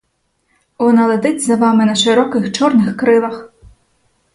Вона летить за вами на широких чорних крилах!